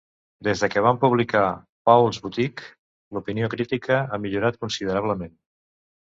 Des de que van publicar "Paul's Boutique", l'opinió crítica ha millorat considerablement.